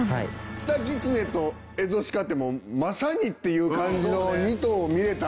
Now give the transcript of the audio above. キタキツネとエゾシカってまさにっていう感じの２頭を見れたんは。